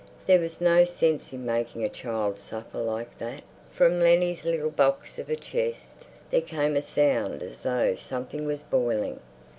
There was no sense in making a child suffer like that. ... From Lennie's little box of a chest there came a sound as though something was boiling.